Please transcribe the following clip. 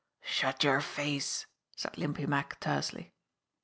"Shut ) our face !" said Limpy Mack tersely.